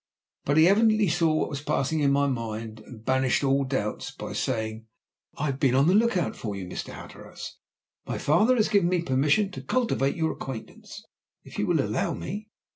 But he evidently saw what was passing in my mind, and banished all doubts by saying: "I have been on the look out for you, Mr. Hatteras. My father has given me permission to cultivate your acquaintance, if you will allow me."